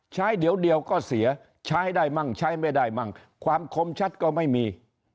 ใช้เดี๋ยวก็เสียใช้ได้มั่งใช้ไม่ได้มั่งความคมชัดก็ไม่มี